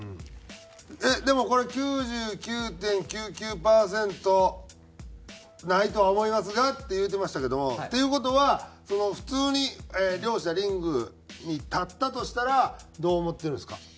「でもこれは９９．９９パーセントないとは思いますが」って言うてましたけどもっていう事は普通に両者リングに立ったとしたらどう思ってるんですか？